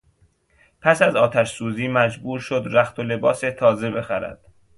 پس از آتشسوزی مجبور شد رخت و لباس تازه بخرد.